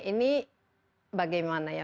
ini bagaimana ya